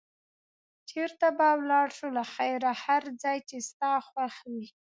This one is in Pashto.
چېرته به ولاړ شو له خیره؟ هر ځای چې ستا خوښ وي.